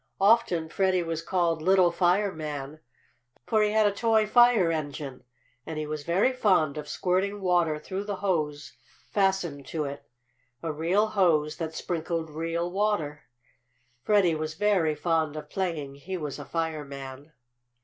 Often Freddie was called little "fireman," for he had a toy fire engine, and he was very fond of squirting water through the hose fastened to it a real hose that sprinkled real water. Freddie was very fond of playing he was a fireman.